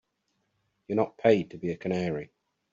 You're not paid to be a canary.